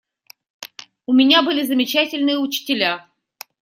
У меня были замечательные учителя.